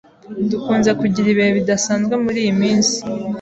Dukunze kugira ibihe bidasanzwe muriyi minsi.